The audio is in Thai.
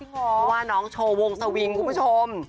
เพราะว่าน้องโชวงสวิ่งของคุณพุทธ